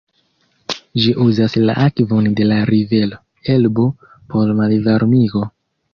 Ĝi uzas la akvon de la rivero Elbo por malvarmigo.